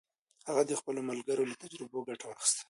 هغه د خپلو ملګرو له تجربو ګټه واخیسته.